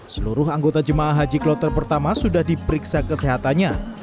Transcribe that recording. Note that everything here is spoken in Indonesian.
seluruh anggota jemaah haji kloter pertama sudah diperiksa kesehatannya